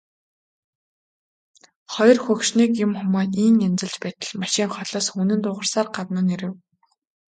Хоёр хөгшнийг юм хумаа ийн янзалж байтал машин холоос хүнгэнэн дуугарсаар гадна нь ирэв.